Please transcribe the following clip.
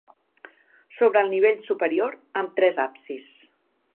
Sobre el nivell superior amb tres absis.